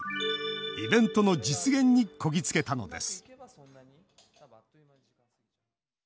イベントの実現にこぎ着けたのです